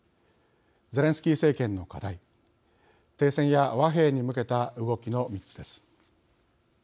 ゼレンスキー政権の課題停戦や和平に向けた動きの３つです。